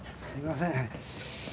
すいません